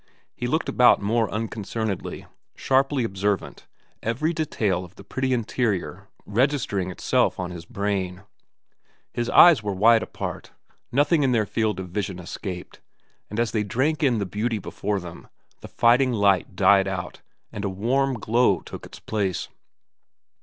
He looked about more unconcernedly, sharply observant, every detail of the pretty interior registering itself on his brain. His eyes were wide apart; nothing in their field of vision escaped; and as they drank in the beauty before them the fighting light died out and a warm glow took its place.